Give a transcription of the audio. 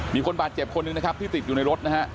มีคนบาดเจ็บคนหนึ่งนะครับที่ติดอยู่ในรถนะฮะ